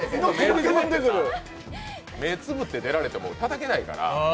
目つぶって出られても、たたけないから。